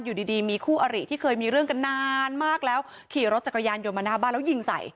อยู่ดีดีมีคู่อริที่เคยมีเรื่องกันนานมากแล้วขี่รถจักรยานยนต์มาหน้าบ้านแล้วยิงใส่